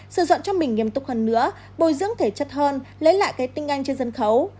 sự dọn cho mình nghiêm túc hơn nữa bồi dưỡng thể chất hơn lấy lại cái tinh anh trên dân khấu